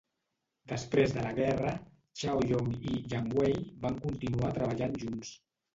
Després de la guerra, "Chaoyong" i "Yangwei" van continuar treballant junts.